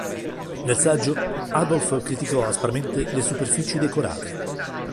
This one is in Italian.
Nel saggio, Adolf criticò aspramente le superfici decorate.